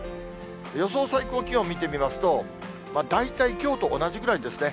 予想最高気温見てみますと、大体きょうと同じぐらいですね。